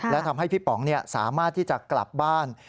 และทำให้พี่ป๋องสามารถที่จะกลับบ้าน